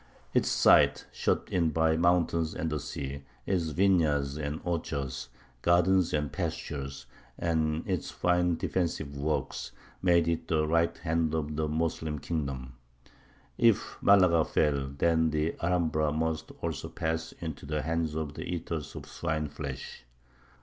Its site, shut in by mountains and the sea, its vineyards and orchards, gardens and pastures, and its fine defensive works, made it the right hand of the Moslem kingdom. If Malaga fell, then the Alhambra must also pass into the hands of the "eaters of swineflesh."